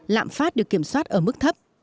lạm phát được kiểm soát ở mức thấp